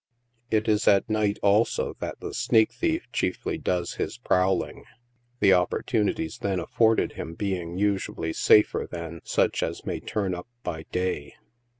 It is at night, also, that the " sneak thief" chiefly does his prowl ing, the opportunities then afforded him being usually safer than such as may turn up by day.